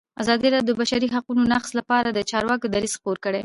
ازادي راډیو د د بشري حقونو نقض لپاره د چارواکو دریځ خپور کړی.